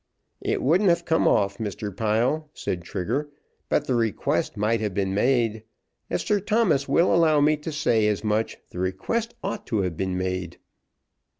"It wouldn't have come off, Mr. Pile," said Trigger, "but the request might have been made. If Sir Thomas will allow me to say as much, the request ought to have been made."